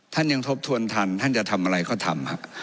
ท่านยังทบทวนทันท่านจะทำอะไรก็ทำ